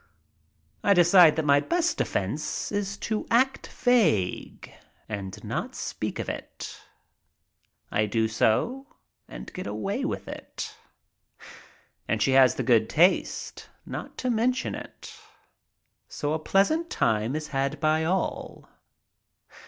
I decide that my best defense is to act vague and not speak of it. I do so and get away with it. And she has the good taste not to mention it, so a pleasant time is had by all.